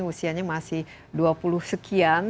usianya masih dua puluh sekian